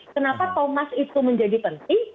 kenapa thomas itu menjadi penting